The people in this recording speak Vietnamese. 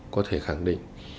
có thể khẳng định